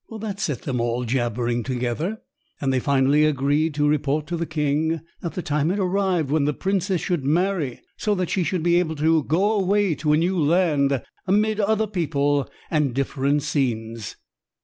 That set them all jabbering together, and they finally agreed to report to the king that the time had arrived when the princess should marry, so that she should be able to go away to a new land, amid other people and different scenes.